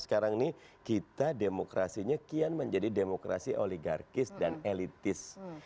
sekarang ini kita demokrasinya kian menjadi demokrasi oligarkis dan elitis